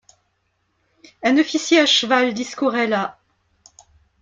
Un officier à cheval discourait là.